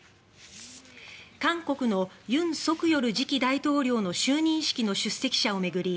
韓国の尹錫悦次期大統領の就任式の出席者を巡り